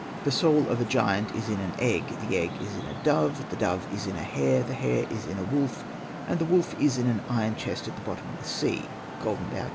The soul of a giant is in an egg, the egg is in a dove, the dove is in a hare, the hare is in a wolf, and the wolf is in an iron chest at the bottom of the sea (''Golden Bough," ii.